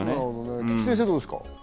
菊地先生、どうですか？